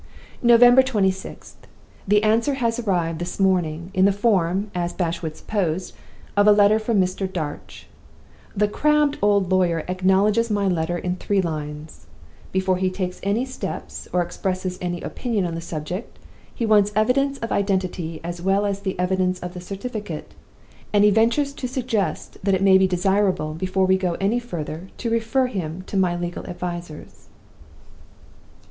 "November 26th. The answer has arrived this morning, in the form (as Bashwood supposed) of a letter from Mr. Darch. The crabbed old lawyer acknowledges my letter in three lines. Before he takes any steps, or expresses any opinion on the subject, he wants evidence of identity as well as the evidence of the certificate; and he ventures to suggest that it may be desirable, before we go any further, to refer him to my legal advisers.